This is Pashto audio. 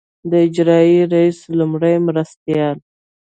د اجرائیه رییس لومړي مرستیال.